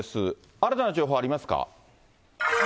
新たな情報ありますか？